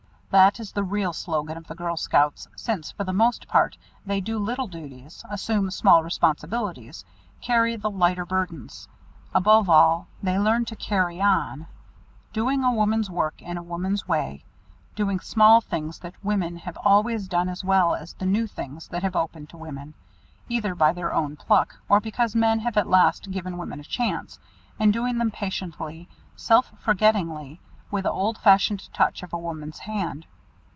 That is the real slogan of the Girl Scouts since for the most part they do little duties, assume small responsibilities, carry the lighter burdens. Above all, they learn to "Carry on!" doing a woman's work in a woman's way, doing small things that women have always done as well as the new things that have opened to women, either by their own pluck or because men have at least given women a chance, and doing them patiently, self forgettingly, with the old fashioned touch of a woman's hand.